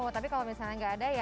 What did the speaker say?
tapi kalau misalnya nggak ada ya